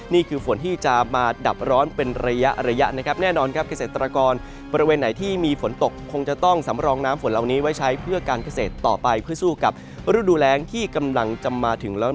นี่คือฝนที่จะมาดับร้อนเป็นระยะระยะนะครับแน่นอนครับเกษตรกรบริเวณไหนที่มีฝนตกคงจะต้องสำรองน้ำฝนเหล่านี้ไว้ใช้เพื่อการเกษตรต่อไปเพื่อสู้กับฤดูแรงที่กำลังจะมาถึงแล้ว